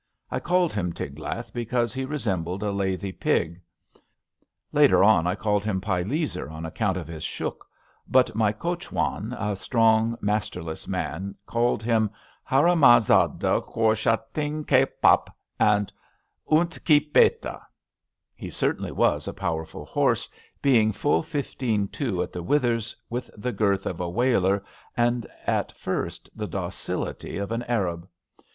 I called him Tiglath because he re sembled a lathy pig. Later on I called him Pileser on account af his shouk; but my coachwan, a strong, masterless man, called him '' haramzada chor, shaitan ke bap " and '' oont hi beta/' He certainly was a powerful horse, being full fifteen two at the withers, with the girth of a waler, and at first the docility of an Arab.